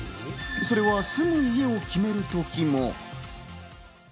それはすぐに家を決めるときも。